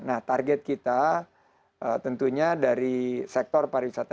nah target kita tentunya dari sektor pariwisata